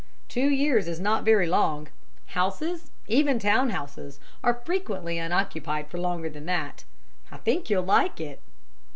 "Two years is not very long. Houses even town houses are frequently unoccupied for longer than that. I think you'll like it."